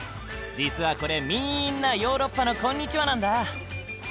実はこれみんなヨーロッパの「こんにちは」なんだ。